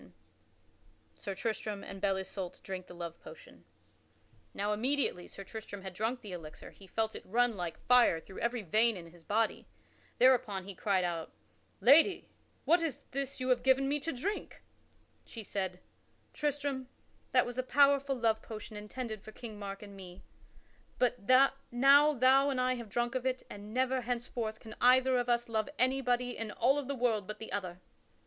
[Sidenote: Sir Tristram and Belle Isoult drink the love potion] Now immediately Sir Tristram had drunk that elixir he felt it run like fire through every vein in his body. Thereupon he cried out, "Lady, what is this you have given me to drink?" She said: "Tristram, that was a powerful love potion intended for King Mark and me. But now thou and I have drunk of it and never henceforth can either of us love anybody in all of the world but the other."